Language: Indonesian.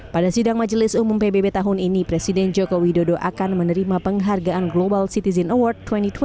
pada sidang majelis umum pbb tahun ini presiden joko widodo akan menerima penghargaan global citizen award dua ribu dua puluh